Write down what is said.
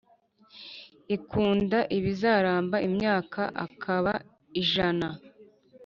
ikunda ibizaramba imyaka akaba ijana